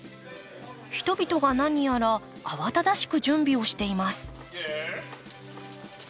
人々が何やら慌ただしく準備をしています。